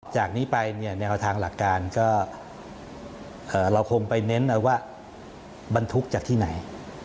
จากนี้ไปเนี่ยแนวทางหลักการก็เราคงไปเน้นเอาว่าบรรทุกจากที่ไหน